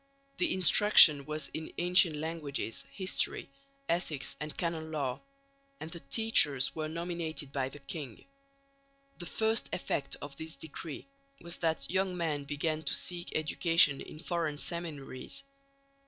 The instruction was in ancient languages, history, ethics and canon law; and the teachers were nominated by the king. The first effect of this decree was that young men began to seek education in foreign seminaries.